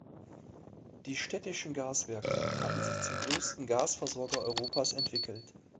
Die "Städtischen Gaswerke" hatten sich zum größten Gasversorger Europas entwickelt.